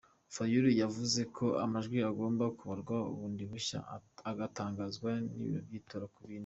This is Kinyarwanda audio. Fayulu yavuze ko amajwi agomba kubarwa bundi bushya, agatangazwa ibiro by’itora ku bindi.